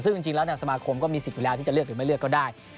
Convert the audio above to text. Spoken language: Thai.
ซึ่งจริงแล้วสมาครมก็จะมีสิทธิ์ที่เลือกหรือไม่เลือกก็ได้